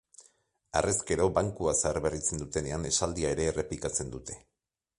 Harrezkero, bankua zaharberritzen dutenean esaldia ere errepikatzen dute.